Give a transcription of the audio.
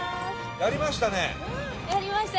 やりました